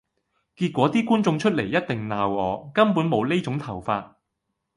結果啲觀眾出嚟一定鬧我，根本無呢種頭髮！